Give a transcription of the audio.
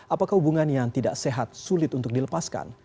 apakah hubungan yang tidak sehat sulit untuk dilepaskan